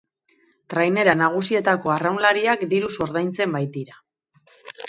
Trainera nagusietako arraunlariak diruz ordaintzen baitira.